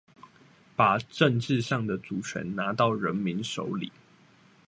把政治上的主權拿到人民手裡